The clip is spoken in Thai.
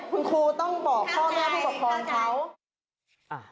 คุณครูต้องบอกพ่อแม่ผู้ปกครองเขา